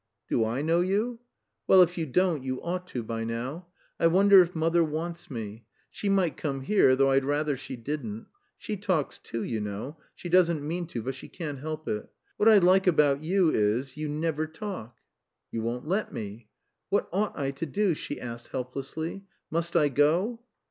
"Do I know you?" "Well, if you don't, you ought to by now. I wonder if mother wants me. She might come here, though I'd rather she didn't. She talks too, you know; she doesn't mean to, but she can't help it. What I like about you is you never talk." "You won't let me." "What ought I to do?" she asked helplessly. "Must I go?"